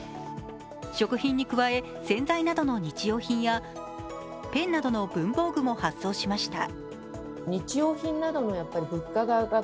食品に加え、洗剤などの日用品や、ペンなどの文房具も発送しました。